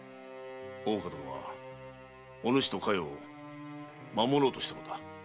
大岡殿はおぬしと佳代を守ろうとしたのだ。